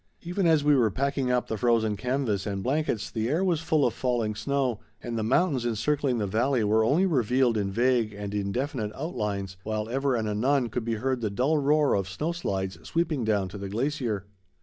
Even as we were packing up the frozen canvas and blankets, the air was full of falling snow and the mountains encircling the valley were only revealed in vague and indefinite outlines, while ever and anon could be heard the dull roar of snow slides sweeping down to the glacier.